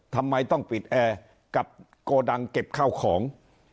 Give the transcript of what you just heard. ทำไมต้องปิดแอร์กับโกดังเก็บข้าวของ